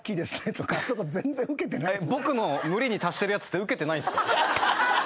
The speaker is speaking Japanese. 僕の無理に足してるやつってウケてないんすか？